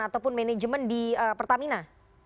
ataupun manajemen di pertamina